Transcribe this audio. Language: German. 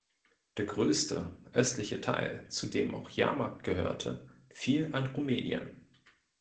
Der größte, östliche Teil, zu dem auch Jahrmarkt gehörte, fiel an Rumänien.